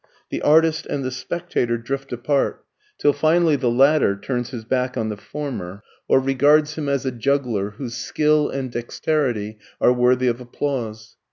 The artist and the spectator drift apart, till finally the latter turns his back on the former or regards him as a juggler whose skill and dexterity are worthy of applause.